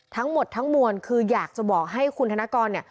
ทั้งหมดทั้งมวลคืออยากจะบอกให้คุณธนกรเนี่ย